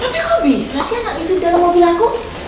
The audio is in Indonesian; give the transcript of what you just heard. tapi kok bisa sih nggak itu dalam mobil aku